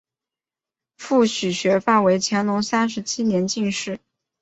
父许学范为乾隆三十七年进士。